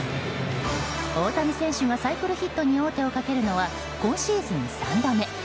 大谷選手がサイクルヒットに王手をかけるのは今シーズン３度目。